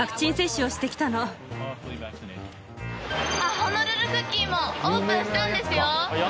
ホノルルクッキーもオープンしたんですよ！